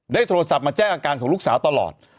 โทรศัพท์มาแจ้งอาการของลูกสาวตลอด